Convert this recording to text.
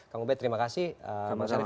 pak mubey terima kasih baik dialal